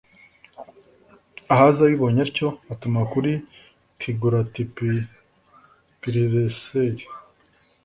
ahazi abibonye atyo atuma kuri tigulatipileseri